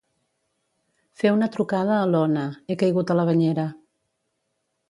Fer una trucada a l'Ona; he caigut a la banyera.